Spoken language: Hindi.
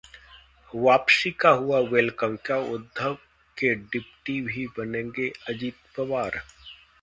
वापसी का हुआ वेलकम, क्या उद्धव के डिप्टी भी बनेंगे अजित पवार?